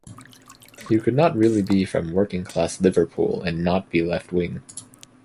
You could not really be from working-class Liverpool and not be left-wing.